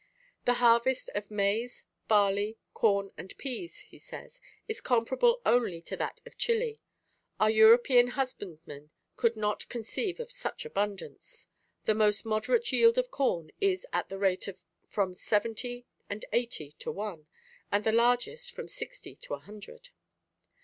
"The harvest of maize, barley, corn, and peas," he says, "is comparable only to that of Chili. Our European husbandmen could not conceive of such abundance. The most moderate yield of corn is at the rate of from seventy and eighty to one, and the largest from sixty to a hundred."